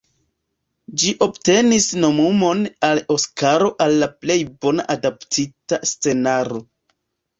Ĝi obtenis nomumon al Oskaro al la plej bona adaptita scenaro.